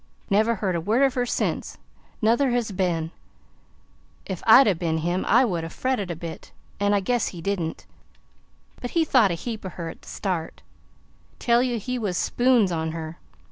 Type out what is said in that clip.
Never heard a word of her since nuther has Ben. If I'd ha' bin him, I wouldn't ha' fretted a bit 'n' I guess he didn't. But he thought a heap o' her at the start. Tell you, he was spoons on her.